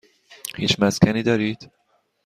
هیچ مسکنی دارید؟